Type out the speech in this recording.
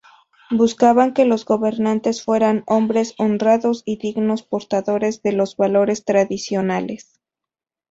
Buscaban que los gobernantes fueran hombres honrados y dignos portadores de los valores tradicionales.